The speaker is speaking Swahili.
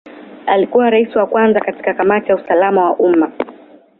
Alikuwa Rais wa kwanza katika Kamati ya usalama wa umma.